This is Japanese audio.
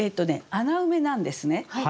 穴埋めなんですね。